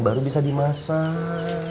baru bisa dimasak